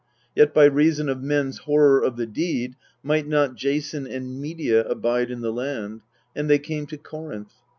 Yet by reason of men's horror of the deed might not Jason and Medea abide in the land, and they came to Corinth.